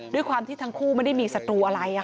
ด้วยความที่ทั้งคู่ไม่ได้มีศัตรูอะไร